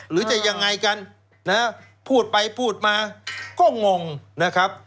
หรือจะยังไงกันนะฮะพูดไปพูดมาก็งงนะครับ